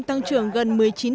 tăng trưởng gần một mươi chín